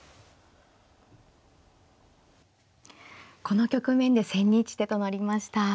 この局面で千日手となりました。